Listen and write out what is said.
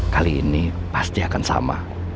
kali ini pasti akan sama